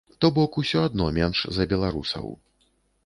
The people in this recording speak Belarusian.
То бок усё адно менш за беларусаў.